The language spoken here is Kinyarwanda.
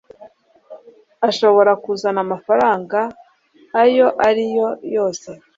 ashobora kuzana amafaranga ayo ari yo yose